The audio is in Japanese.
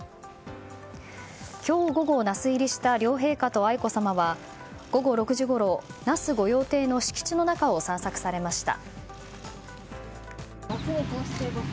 今日午後、那須入りした両陛下と愛子さまは午後６時ごろ、那須御用邸の敷地の中を散策されました。